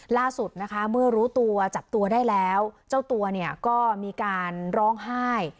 ล่าสุดนะคะเมื่อรู้ตัวจับตัวได้แล้วเจ้าตัวเนี่ยก็มีการร้องไห้